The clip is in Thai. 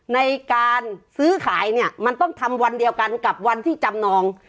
ในการซื้อขายเนี่ยมันต้องทำวันเดียวกันกับวันที่จำนอง